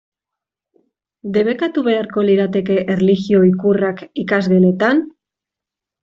Debekatu beharko lirateke erlijio ikurrak ikasgeletan?